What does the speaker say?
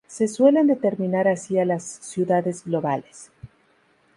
Se suelen determinar así a las ciudades globales.